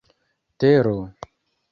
tero